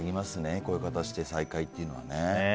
こういう形で再会というのは。